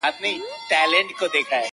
o دا چي امیل نه سومه ستا د غاړي ,